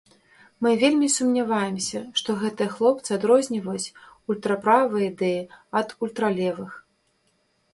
Мы вельмі сумняваемся, што гэтыя хлопцы адрозніваюць ультраправыя ідэі ад ультралевых.